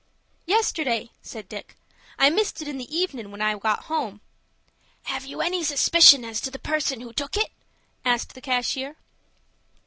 "Yesterday," said Dick. "I missed it in the evenin' when I got home." "Have you any suspicion as to the person who took it?" asked the cashier.